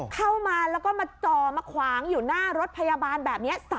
เข้ามาแล้วก็มาจ่อมาขวางอยู่หน้ารถพยาบาลแบบนี้